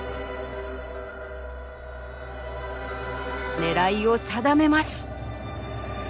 狙いを定めます。